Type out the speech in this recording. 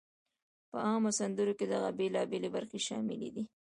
په عامو سندرو کې دغه بېلابېلی برخې شاملې دي: